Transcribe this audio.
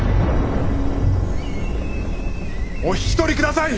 お引き取りください！